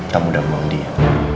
kamu udah mau dia